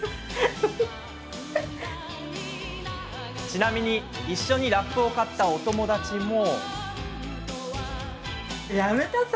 ちなみに、一緒にラップを買ったお友達も。